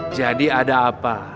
jadi ada apa